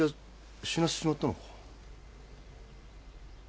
死なせちまったのか？